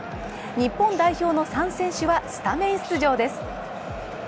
日本代表の３選手はスタメン出場です。